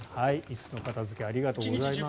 椅子の片付けありがとうございます。